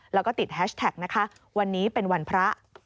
แล้วก็ติดแฮชแท็กนะคะวันนี้เป็นวันพระ